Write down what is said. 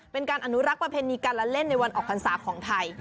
เป็นการอนุรักษ์ประเพณีการละเล่นในวันออกพรรษาของไทย